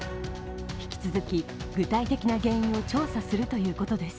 引き続き、具体的な原因を調査するということです。